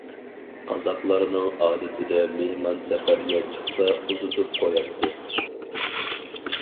قازاقلارنىڭ ئادىتىدە مېھمان سەپەرگە چىقسا ئۇزىتىپ قوياتتى.